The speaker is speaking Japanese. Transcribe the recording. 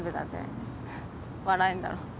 フッ笑えんだろ。